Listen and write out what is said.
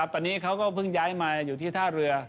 ตอนนี้เขาก็เพิ่งย้ายมาอยู่ที่ท่าเรือ